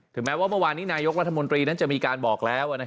แม้ว่าเมื่อวานนี้นายกรัฐมนตรีนั้นจะมีการบอกแล้ว